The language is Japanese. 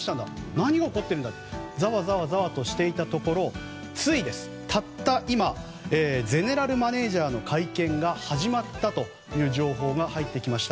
何が起こっているんだとざわざわとしていたところついたった今ゼネラルマネジャーの会見が始まったという情報が入ってきました。